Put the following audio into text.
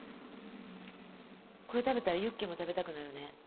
これ食べたらユッケも食べたくなるね。